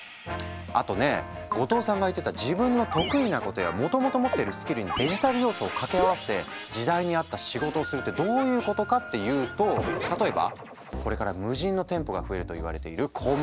あとね後藤さんが言ってた自分の得意なことやもともと持ってるスキルにデジタル要素を掛け合わせて時代に合った仕事をするってどういうことかっていうと例えばこれから無人の店舗が増えるといわれているコンビニ。